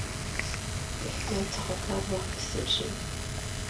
احتیاط څخه کار واخیستل شي.